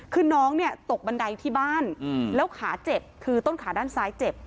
คือน้องเนี่ยตกบันไดที่บ้านแล้วขาเจ็บคือต้นขาด้านซ้ายเจ็บ